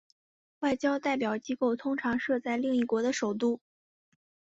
外交代表机构通常设在另一国的首都。